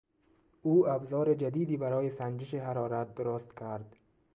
او ابزار جدیدی برای سنجش حرارت درست کرد.